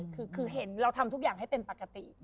คือเห็นเราทำทุกอย่างให้เป็นปกติ